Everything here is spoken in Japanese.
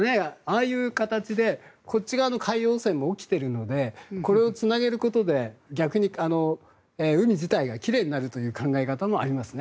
ああいう形でこっち側の海洋汚染も起きているのでこれをつなげることで逆に海自体が奇麗になるという考え方もありますね。